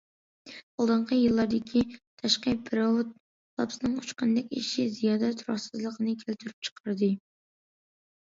ئالدىنقى يىللاردىكى تاشقى پېرېۋوت زاپىسىنىڭ ئۇچقاندەك ئېشىشى زىيادە تۇراقسىزلىقنى كەلتۈرۈپ چىقاردى.